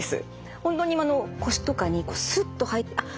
本当に腰とかにスッと入ってあっ